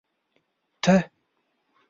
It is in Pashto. ته